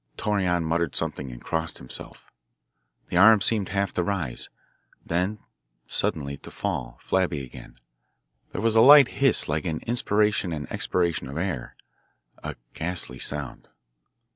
Torreon muttered something and crossed himself. The arms seemed half to rise then suddenly to fall, flabby again. There was a light hiss like an inspiration and expiration of air, a ghastly sound.